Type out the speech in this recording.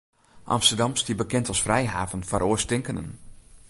Amsterdam stie bekend as frijhaven foar oarstinkenden.